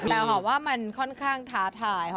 แต่ว่ามันค่อนข้างท้าถ่าย